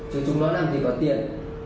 chứ chúng nó làm gì có tiền